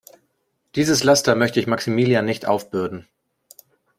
Dieses Laster möchte ich Maximilian nicht aufbürden.